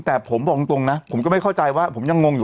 แต่ผมบอกตรงนะผมก็ไม่เข้าใจว่าผมยังงงอยู่